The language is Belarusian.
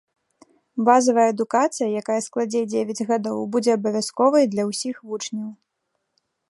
Базавая адукацыя, якая складзе дзевяць гадоў, будзе абавязковай для ўсіх вучняў.